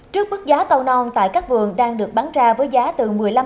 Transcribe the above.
trước bức giá cầu non tại các vườn đang được bán ra với giá từ một mươi năm đến hai mươi đồng một ký